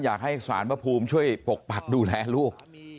อยากให้สารพระภูมิช่วยปกปักดูแลลูก